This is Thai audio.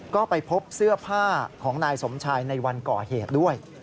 ก็ไปพบเสื้อผ้าของนายสมชายในวันก่อเหตุด้วย